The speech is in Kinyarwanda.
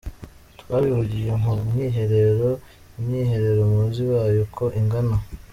Twabivugiye mu mwiherero, imyiherero muzi ibaye uko ingana.